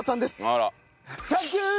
あら。